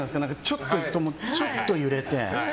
ちょっといくとちょっと揺れて。